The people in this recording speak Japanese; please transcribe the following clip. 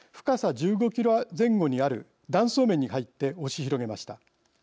１５キロ前後にある断層面に入って、押し広げました。